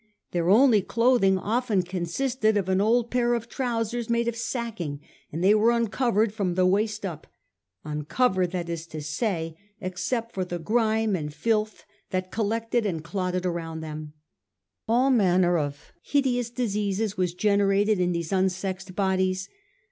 Their only clothing often consisted of an old pair of trousers made of sacking ; and they were uncovered from the waist up — uncovered, that is to say, except for the grime and filth that collected and clotted around them, All manner of hideous diseases were generated in these unsexed bodies.